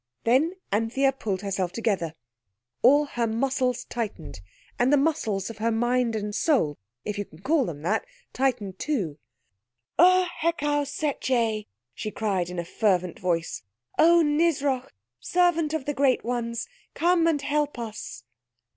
Then Anthea pulled herself together. All her muscles tightened, and the muscles of her mind and soul, if you can call them that, tightened too. "UR HEKAU SETCHEH," she cried in a fervent voice. "Oh, Nisroch, servant of the Great Ones, come and help us!"